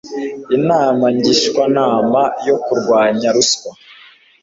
inama ngishwanama yo kurwanya ruswa